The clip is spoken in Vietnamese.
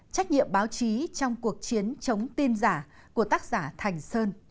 trách nhiệm báo chí trong cuộc chiến chống tin giả của tác giả thành sơn